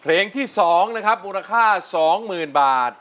เพลงที่๒นะครับมูลค่า๒๐๐๐บาท